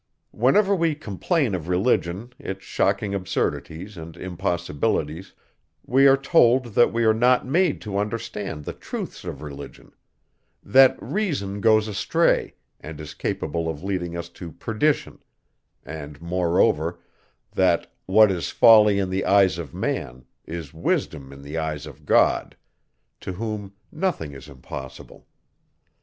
Whenever we complain of religion, its shocking absurdities, and impossibilities, we are told that we are not made to understand the truths of religion; that reason goes astray, and is capable of leading us to perdition; and moreover, that what is folly in the eyes of man, is wisdom in the eyes of God, to whom nothing is impossible.